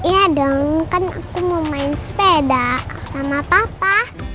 iya dong kan aku mau main sepeda sama papa